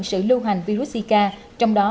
sự lưu hành virus zika trong đó